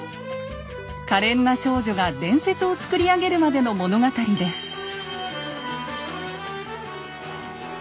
かれんな少女が伝説を作り上げるまでの物語です。